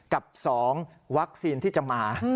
กับ๒วัคซีนที่จะมา